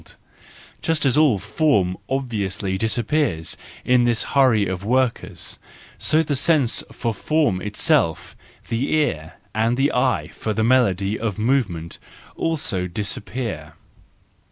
And just as all form obviously disappears in this hurry of workers, so the sense for form itself, the ear and the eye for the melody of movement, also disappear.